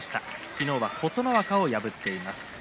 昨日は琴ノ若を破っています。